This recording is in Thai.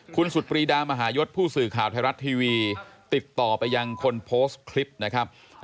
คุณสุดปรีดามหายศผู้สื่อข่าวไทยรัฐทีวีติดต่อไปยังคนโพสต์คลิปนะครับ